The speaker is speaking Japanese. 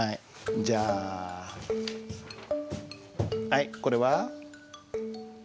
じゃあはいこれは？